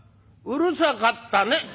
「うるさかったね」